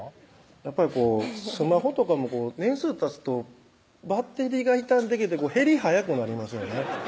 やっぱりこうスマホとかも年数たつとバッテリーが傷んできて減り早くなりますよね